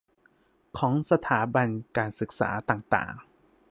ของสถาบันการศึกษาต่างต่าง